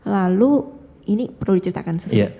lalu ini perlu diceritakan